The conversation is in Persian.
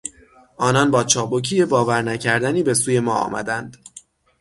آنان با چابکی باور نکردنی به سوی ما آمدند.